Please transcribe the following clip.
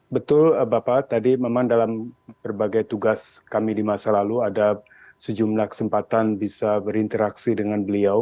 betul bapak tadi memang dalam berbagai tugas kami di masa lalu ada sejumlah kesempatan bisa berinteraksi dengan beliau